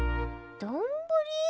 どんぶり？